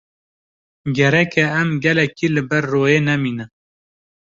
Gerek e em gelekî li ber royê nemînin.